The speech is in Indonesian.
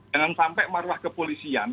dengan sampai maruah kepolisian